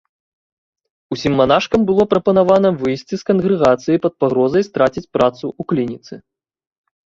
Усім манашкам было прапанавана выйсці з кангрэгацыі пад пагрозай страціць працу ў клініцы.